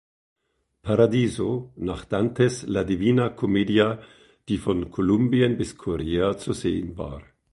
Paradiso nach Dantes La Divina Commedia, die von Kolumbien bis Korea zu sehen war.